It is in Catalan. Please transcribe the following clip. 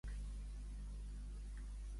De quin pacte li ha parlat Aragonès a Torra?